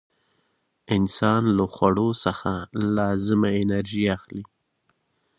انسان له خوړو څخه لازمه انرژي اخلي.